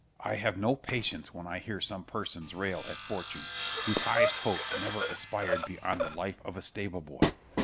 I have no patience when I hear some persons rail at fortune, whose highest hopes never aspired beyond the life of a stable boy.